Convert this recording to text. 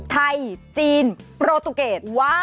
ไทยจีนโปรตุเกต